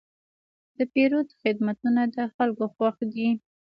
د پیرود خدمتونه د خلکو خوښ دي.